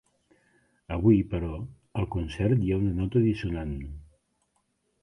Avui, però, al concert hi ha una nota dissonant.